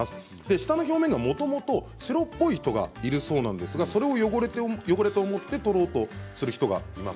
舌の表面がもともと白っぽい人がいるそうなんですがそれを汚れと思って取ろうとする人がいます。